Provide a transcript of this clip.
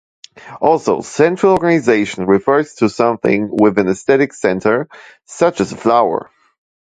Also, "central organization" refers to something with an aesthetic center, such as a flower.